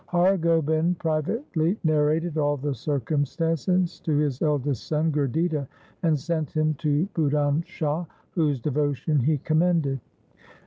142 THE SIKH RELIGION Har Gobind privately narrated all the circum stances to his eldest son Gurditta, and sent him to Budhan Shah, whose devotion he commended.